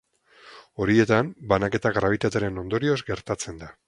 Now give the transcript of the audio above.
Horietan, banaketa grabitatearen ondorioz gertatzen da.